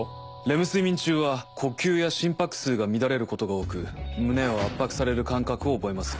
レム睡眠中は呼吸や心拍数が乱れることが多く胸を圧迫される感覚を覚えます。